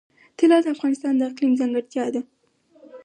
طلا د افغانستان د اقلیم ځانګړتیا ده.